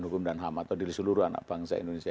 hukum dan ham atau diri seluruh anak bangsa indonesia